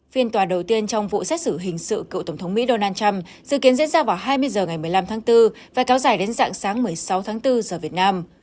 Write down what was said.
phiên tòa đầu tiên trong vụ xét xử hình sự cựu tổng thống mỹ donald trump dự kiến diễn ra vào hai mươi h ngày một mươi năm tháng bốn và kéo dài đến dạng sáng một mươi sáu tháng bốn giờ việt nam